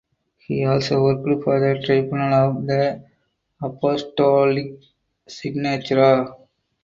He also worked for the Tribunal of the Apostolic Signatura.